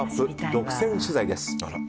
独占取材です。